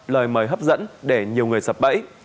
lời mời hấp dẫn để nhiều người sập bẫy